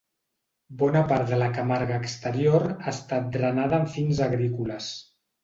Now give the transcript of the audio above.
Bona part de la Camarga exterior ha estat drenada amb fins agrícoles.